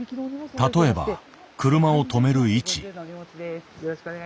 例えば車を止める位置。